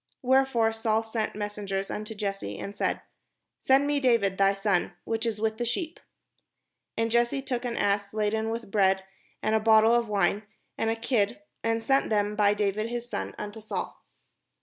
Wherefore Saul sent messengers imto Jesse, and said : "Send me David thy son, which is with the sheep." And Jesse took an ass laden with bread, and a bottle of wine, and a kid, and sent them by David his son unto Saul.